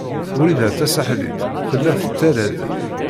Wrida Tasaḥlit tella tettarra-d.